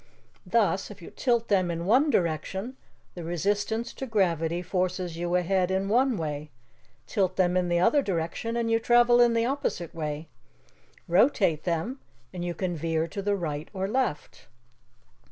Thus, if you tilt them in one direction, the resistance to gravity forces you ahead in one way; tilt them in the other direction and you travel in the opposite way. Rotate them, and you can veer to right or left."